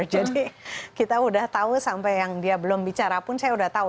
jadi kita udah tahu sampai yang dia belum bicara pun saya udah tahu